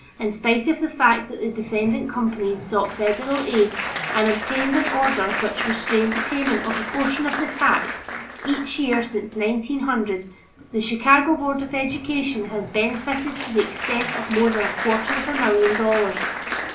In spite of the fact that the defendant companies sought federal aid and obtained an order which restrained the payment of a portion of the tax, each year since 1900, the Chicago Board of Education has benefited to the extent of more than a quarter of a million dollars.